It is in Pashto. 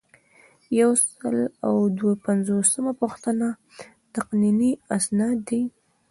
یو سل او دوه پنځوسمه پوښتنه تقنیني اسناد دي.